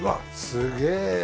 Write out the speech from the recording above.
すげえよ！